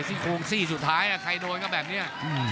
ซี่โครงซี่สุดท้ายใครโดนก็แบบนี้